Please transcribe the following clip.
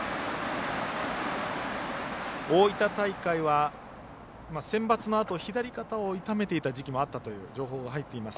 大分大会は、センバツのあと左肩を痛めていた時期もあったという情報が入っています。